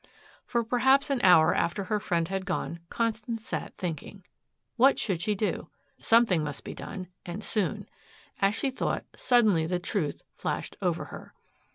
For perhaps an hour after her friend had gone, Constance sat thinking. What should she do? Something must be done and soon. As she thought, suddenly the truth flashed over her.